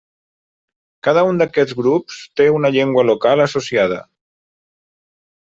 Cada un d'aquests grups té una llengua local associada.